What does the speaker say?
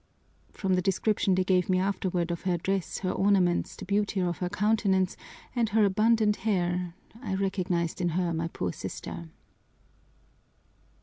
From the description they gave me afterward of her dress, her ornaments, the beauty of her countenance, and her abundant hair, I recognized in her my poor sister.